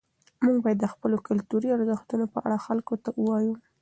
موږ باید د خپلو کلتوري ارزښتونو په اړه خلکو ته ووایو.